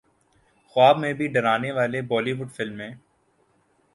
خواب میں بھی ڈرانے والی بولی وڈ فلمیں